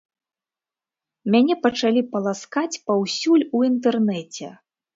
Мяне пачалі паласкаць паўсюль у інтэрнэце.